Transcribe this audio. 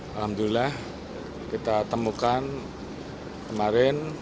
alhamdulillah kita temukan kemarin